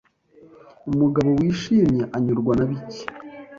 Umugabo wishimye anyurwa na bike